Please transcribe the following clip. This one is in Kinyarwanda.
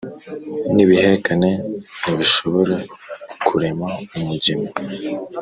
n’ibihekane ntibishobora kurema umugemo